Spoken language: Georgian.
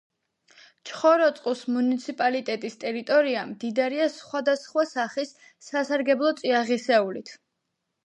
ჩხოროწყუს მუნიციპალიტეტის ტერიტორია მდიდარია სხვადასხვა სახის სასარგებლო წიაღისეულით.